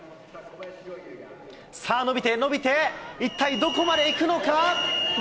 さあ、伸びて、伸びて、一体どこまで行くのか。